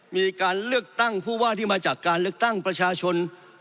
มีการเลือกตั้งผู้ว่าที่มาจากการเลือกตั้งประชาชน